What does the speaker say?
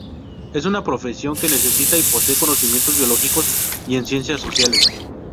Es una profesión que necesita y posee conocimientos biológicos y en ciencias sociales.